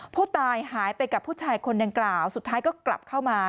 ผู้ตายหายไปกับผู้ชายคนดังกล่าวสุดท้ายก็กลับเข้ามา